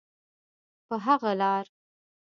په هغه لاره.